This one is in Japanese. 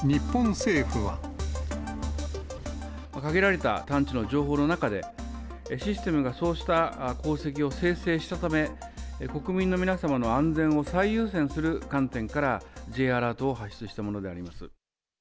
限られた探知の情報の中で、システムがそうした航跡を生成したため、国民の皆様の安全を最優先する観点から、Ｊアラートを発出したものであります。